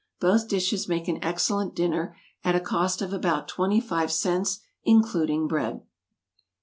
Both dishes make an excellent dinner, at a cost of about twenty five cents, including bread.